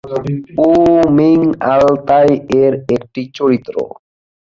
উ Ming Altai এর একটি চরিত্র।